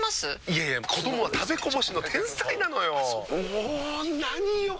いやいや子どもは食べこぼしの天才なのよ。も何よ